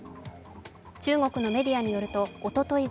中国のメディアによるとおととい